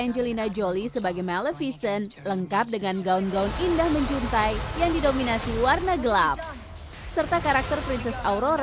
saya alfian raharjo